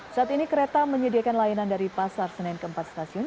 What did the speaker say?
saat ini kereta menyediakan layanan dari pasar senin keempat stasiun